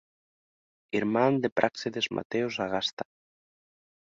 Irmán de Práxedes Mateo Sagasta.